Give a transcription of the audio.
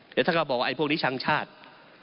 เดี๋ยวท่านก็บอกว่าไอ้พวกนี้ช้างชาติ